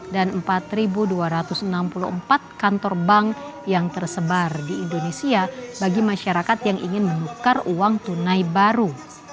dan empat dua ratus enam puluh empat kantor bank yang tersebar di indonesia bagi masyarakat yang ingin menukar uang tunai baru